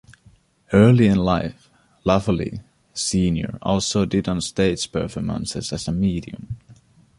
Early in life, Laffoley, Senior also did on-stage performances as a medium.